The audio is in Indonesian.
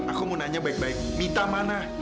aku mau nanya baik baik mita mana